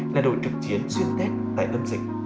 là đội trực chiến xuyên tết tại tâm dịch